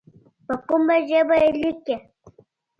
په کومه ژبه یې لیکې.